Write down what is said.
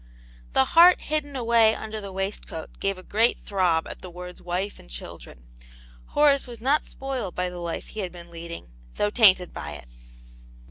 The heart hidden away under the waistcoat gave a great throb at the words wife and children ;— Horace was not spoiled by the life he had been leading, though tainted by it.